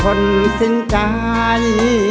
คนสิ้นใจ